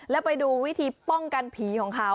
แล้วไปดูวิธีป้องกันผีของเขา